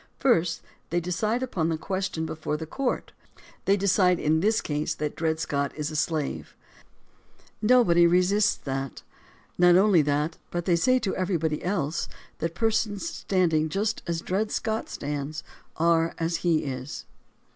First, they decide upon the question before the court. They decide in this case that Dred Scott is a slave. Nobody resists that. Not only that, but they say to everybody else that persons standing just as Dred Scott stands are as he is.